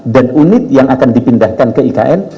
dan unit yang akan dipindahkan ke ikn